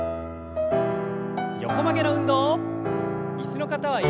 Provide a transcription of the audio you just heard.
横曲げの運動。